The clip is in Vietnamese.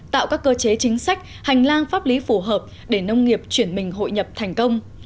tạo các cơ chế chính sách hành lang pháp lý phù hợp để nông nghiệp chuyển mình hội nhập thành công